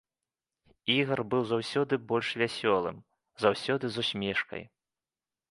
Ігар быў заўсёды больш вясёлым, заўсёды з усмешкай.